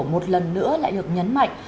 một lần nữa lại được nhấn mạnh